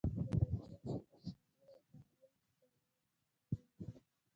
په ورځني ژوند کې تحمل او تامل تلقینوي.